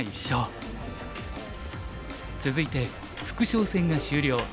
続いて副将戦が終了。